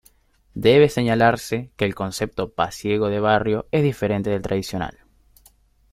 Debe señalarse que el concepto pasiego de barrio es diferente del tradicional.